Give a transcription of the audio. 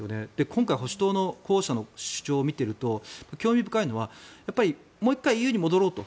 今回、保守党の候補者の主張を見てみると興味深いのはやっぱりもう１回家に戻ろうと。